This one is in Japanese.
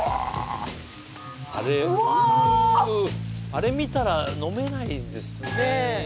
あれ見たら飲めないですね